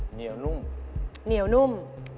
เหนียวนุ่มเหนียวนุ่ม